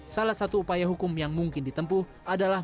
salah satu upaya hukum yang mungkin ditempuh adalah